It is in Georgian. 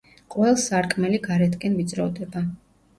ყველს სარკმელი გარეთკენ ვიწროვდება.